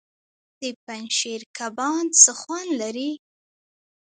د پنجشیر کبان څه خوند لري؟